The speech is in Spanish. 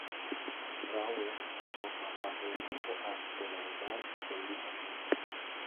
Brouwer forma parte del grupo asteroidal de Hilda.